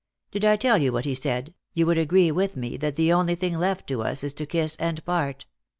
Did I tell you what he said, you would agree with me that the only thing left to us is to kiss and part.